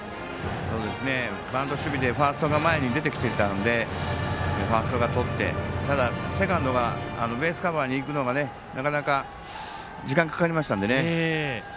バント守備でファーストが前に出てきてたんでファーストがとってセカンドがベースカバーにいくのがなかなか時間かかりましたんでね。